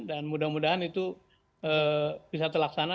dan mudah mudahan itu bisa terlaksana